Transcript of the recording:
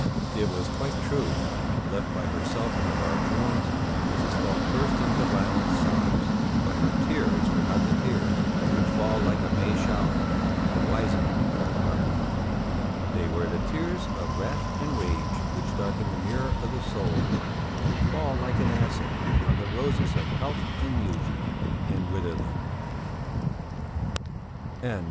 It was quite true. Left by herself in the large rooms Mrs. Falk burst into violent sobs; but her tears were not the tears which fall like a May shower on a wizened old heart; they were the tears of wrath and rage which darken the mirror of the soul and fall like an acid on the roses of health and youth and wither them.